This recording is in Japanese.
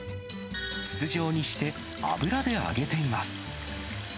筒状にして、油で揚げています。